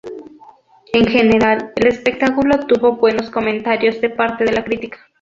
En general, el espectáculo tuvo buenos comentarios de parte de la crítica.